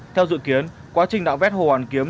theo dự kiến quá trình nạo vét hồ hoàn kiếm